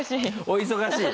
お忙しい。